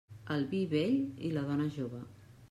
El vi, vell; i la dona, jove.